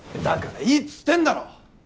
だからいいつってんだろ！